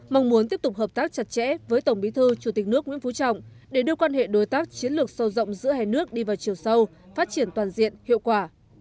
mong muốn tiếp tục hợp tác chặt chẽ với tổng bí thư chủ tịch nước nguyễn phú trọng để đưa quan hệ đối tác chiến lược sâu rộng giữa hai nước đi vào chiều sâu phát triển toàn diện hiệu quả